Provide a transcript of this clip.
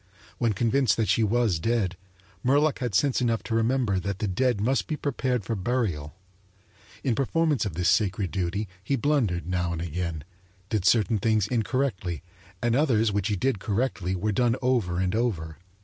When convinced that she was dead, Murlock had sense enough to remember that the dead must be prepared for burial. In performance of this sacred duty he blundered now and again, did certain things incorrectly, and others which he did correctly were done over and over.